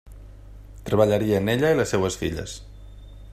Treballarien ella i les seues filles.